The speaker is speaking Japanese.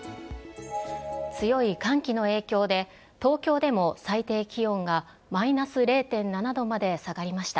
強い寒気の影響で東京でも最低気温がマイナス０．７度まで下がりました。